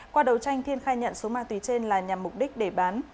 qua đầu tranh thiên khai nhận số ma túy trên là nhằm mục đích để bán